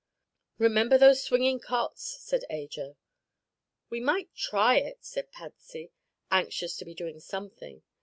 "Remember those swinging cots," said Ajo. "We might try it," said Patsy, anxious to be doing something.